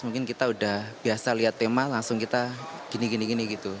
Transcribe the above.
mungkin kita udah biasa lihat tema langsung kita gini gini gitu